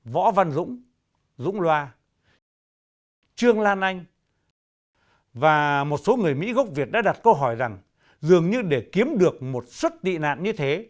võ văn dũng dũng loa trương lan anh và một số người mỹ gốc việt đã đặt câu hỏi rằng dường như để kiếm được một suất tị nạn như thế